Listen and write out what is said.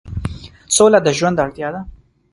سوله د ژوند اړتیا ده.